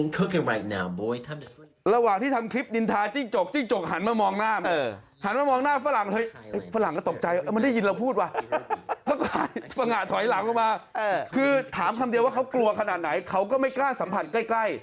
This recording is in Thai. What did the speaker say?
เขาเข้าไปที่กิจกลับคิดว่าเขาต้องทำอะไร